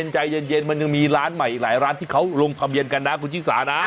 ใจเย็นมันยังมีร้านใหม่อีกหลายร้านที่เขาลงทะเบียนกันนะคุณชิสานะ